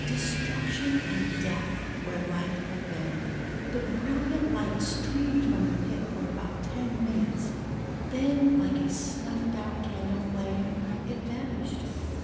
Destruction and death where life had been. The brilliant light streamed from the pit for about ten minutes; then like a snuffed out candle flame, it vanished.